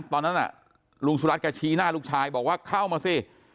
ตอนนั้นลุงสุรัตนแกชี้หน้าลูกชายบอกว่าเข้ามาสิ